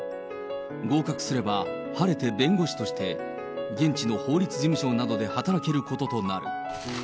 合格すれば晴れて弁護士として、現地の法律事務所などで働けることとなる。